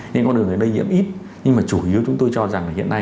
nên con đường lây đầy nhiễm ít nhưng mà chủ yếu chúng tôi cho rằng là hiện nay